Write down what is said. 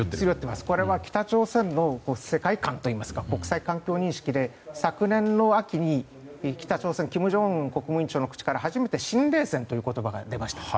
これは北朝鮮の世界観というか国際環境認識で昨年の秋に北朝鮮の金正恩国務委員長の口から初めて新冷戦という言葉が出ました。